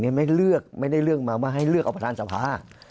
ไม่ได้เลือกมามาให้เลือกเอาประธานสภา